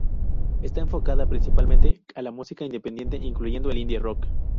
Está enfocada principalmente a la música independiente, incluyendo el indie rock.